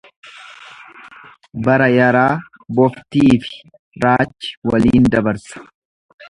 Bara yaraa boftiifi raachi waliin dabarsa.